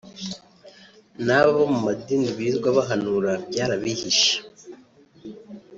n’aba bo mumadini birirwa bahanura byarabihishe